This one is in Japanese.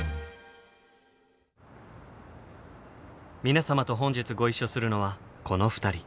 皆様と本日ご一緒するのはこの２人。